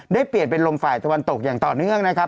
ได้เปลี่ยนเป็นลมฝ่ายตะวันตกอย่างต่อเนื่องนะครับ